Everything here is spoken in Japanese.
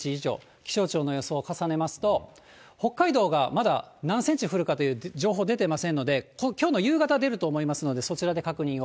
気象庁の予想を重ねますと、北海道がまだ何センチ降るかという情報出てませんので、きょうの夕方出ると思いますので、そちらで確認を。